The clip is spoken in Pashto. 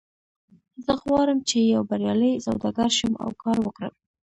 زه غواړم چې یو بریالی سوداګر شم او کار وکړم